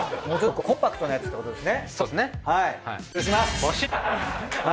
もうちょっとコンパクトなやつってことですね？